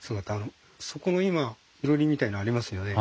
そこの今いろりみたいのありますよね。